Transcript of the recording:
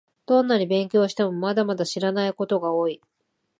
どんなに勉強しても、まだまだ知らないことが多い